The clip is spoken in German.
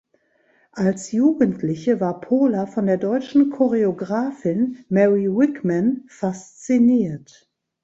Als Jugendliche war Pola von der deutschen Choreografin Mary Wigman fasziniert.